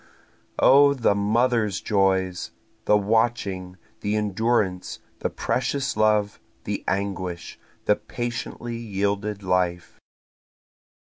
O the mother's joys! The watching, the endurance, the precious love, the anguish, the patiently yielded life.